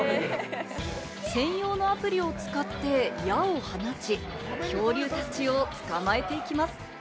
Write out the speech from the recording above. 専用のアプリを使って矢を放ち、恐竜たちを捕まえていきます。